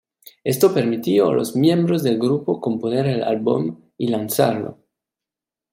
Esto permitió a los miembros del grupo componer el álbum y lanzarlo.